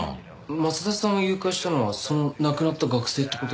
松田さんを誘拐したのはその亡くなった学生って事ですか？